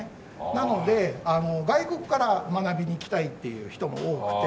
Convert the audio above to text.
なので外国から学びに来たいっていう人も多くて。